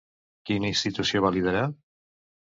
Quina institució va liderar?